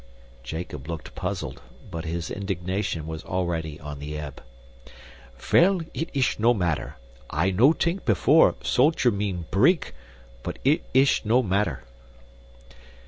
Jacob looked puzzled, but his indignation was already on the ebb. "Vell, it ish no matter. I no tink, before, soltyer mean breek, but it ish no matter."